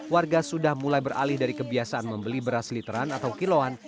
warga sudah mulai beralih dari kebiasaan membeli beras literan atau kiloan